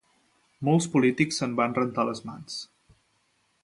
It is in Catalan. Molts polítics se'n van rentar les mans.